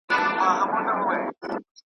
اغیار بدنامه کړی یم شړې یې او که نه .